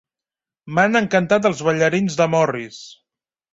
M'han encantat els ballarins de Morris!